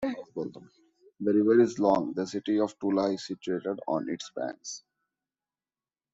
The river is long; the city of Tula is situated on its banks.